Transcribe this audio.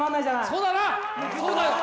そうだよ。